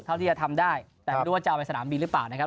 เท่าที่จะทำได้เดี๋ยวยังได้ว่าจะไปสนามบีนหรือเปล่านะครับ